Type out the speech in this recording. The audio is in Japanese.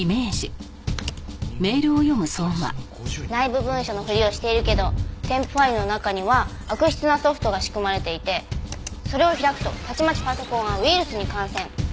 内部文書のふりをしているけど添付ファイルの中には悪質なソフトが仕組まれていてそれを開くとたちまちパソコンがウイルスに感染。